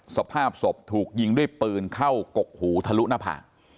สภาพศพถูกยิงด้วยปืนเข้ากกหูทะลุหน้าผาก